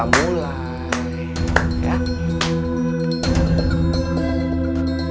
lo tenang aja ya